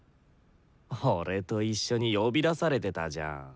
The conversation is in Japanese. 俺と一緒に呼び出されてたじゃん。